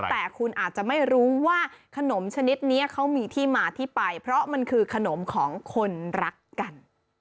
แต่คุณอาจจะไม่รู้ว่าขนมชนิดนี้เขามีที่มาที่ไปเพราะมันคือขนมของคนรักกัน